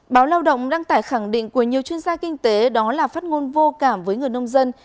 báo lao động đăng tải khẳng định của nhiều chuyên gia kinh tế đó là phát ngôn vô cảm với người nông dân